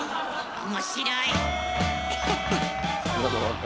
面白い。